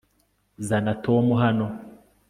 Zana Tom hano